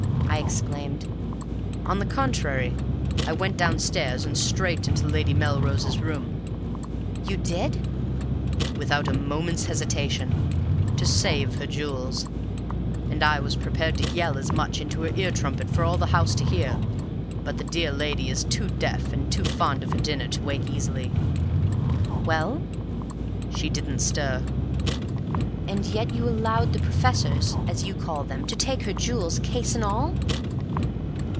I exclaimed. "On the contrary, I went downstairs and straight into Lady Melrose's room " "You did?" "Without a moment's hesitation. To save her jewels. And I was prepared to yell as much into her ear trumpet for all the house to hear. But the dear lady is too deaf and too fond of her dinner to wake easily." "Well?" "She didn't stir." "And yet you allowed the professors, as you call them, to take her jewels, case and all!"